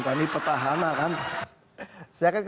kami petahana kan